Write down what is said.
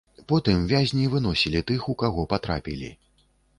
Потым вязні выносілі тых, у каго патрапілі.